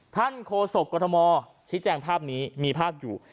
ท่านโคศกกฎมชิดแจ้งภาพนี้มีภาพอยู่